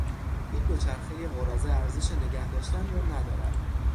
این دوچرخهی قراضه ارزش نگهداشتن را ندارد.